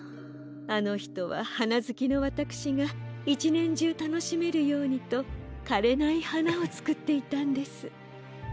あのひとははなずきのわたくしが１ねんじゅうたのしめるようにとかれないはなをつくっていたんです。